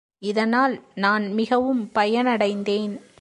இதனால் நான் மிகவும் பயனடைந்தேன்.